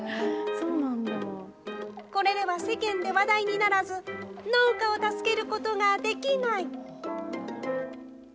これでは世間で話題にならず、農家を助けることができない。